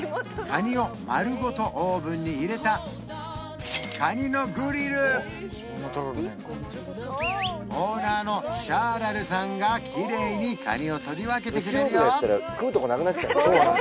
カニを丸ごとオーブンに入れたオーナーのシャーラルさんがきれいにカニを取り分けてくれるよ